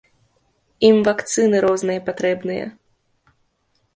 Ім вакцыны розныя патрэбныя.